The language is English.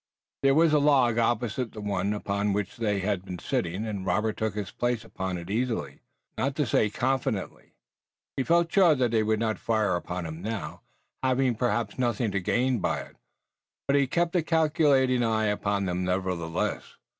There was a log opposite the one upon which they had been sitting and Robert took his place upon it easily, not to say confidently. He felt sure that they would not fire upon him now, having perhaps nothing to gain by it, but he kept a calculating eye upon them nevertheless.